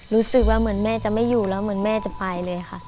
รู้สึกว่าเหมือนแม่จะไม่อยู่แล้วเหมือนแม่จะไปเลยค่ะ